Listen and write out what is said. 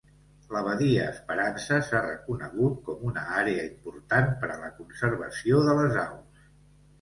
La Badia Esperança s'ha reconegut com una àrea important per a la conservació de les aus.